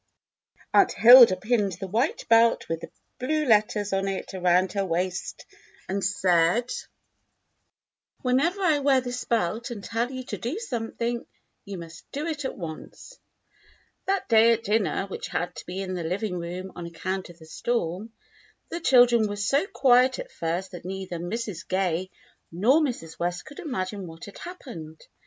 Aunt Hilda pinned the white belt with the blue letters on it around her waist and said, "WTienever THE LITTLE GAYS 87 I wear this belt and tell you to do something, you must do it at once." That day at dinner, which had to be in the living room on account of the storm, the children were so quiet at first that neither Mrs. Gay nor Mrs. West could imagine what had happened.